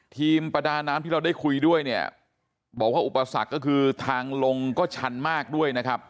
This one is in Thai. ประดาน้ำที่เราได้คุยด้วยเนี่ยบอกว่าอุปสรรคก็คือทางลงก็ชันมากด้วยนะครับ